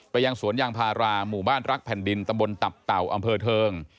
ยังสวนยางพาราหมู่บ้านรักแผ่นดินตำบลตับเต่าอำเภอเทิง